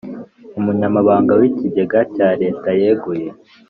Umunyamabanga w’ Ikigega cya Leta yeguye.